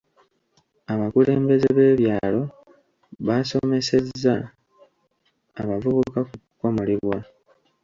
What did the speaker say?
Abakulembeze b'ebyalo baasomesezza abavubuka ku kukomolebwa.